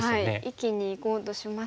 生きにいこうとしますが。